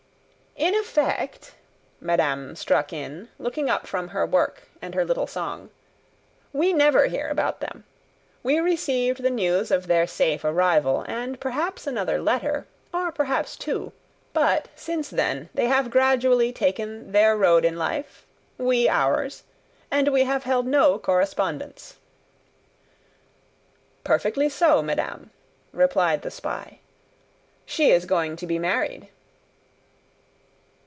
"In effect," madame struck in, looking up from her work and her little song, "we never hear about them. We received the news of their safe arrival, and perhaps another letter, or perhaps two; but, since then, they have gradually taken their road in life we, ours and we have held no correspondence." "Perfectly so, madame," replied the spy. "She is going to be married."